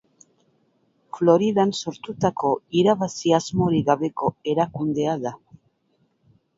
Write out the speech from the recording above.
Floridan sortutako irabazi asmorik gabeko erakundea da.